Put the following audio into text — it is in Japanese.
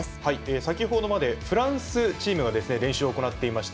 先程までフランスチームが練習を行っていました。